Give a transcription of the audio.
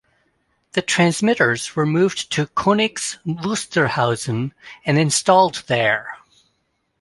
The transmitters were moved to Koenigs Wusterhausen and installed there.